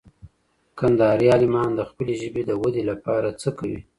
کندهاري عالمان د خپلي ژبي د ودې لپاره څه کوي؟